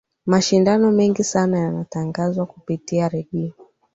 mashindano mengi sana yanatangazwa kupitia redio